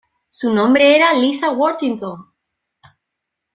Su nombre era Lisa Worthington.